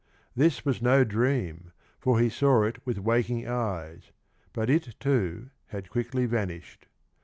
This was no dream, for he saw it with waking eyes, but it, too, had quickly vanished.